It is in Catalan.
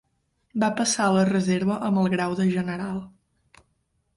Va passar a la reserva amb el grau de general.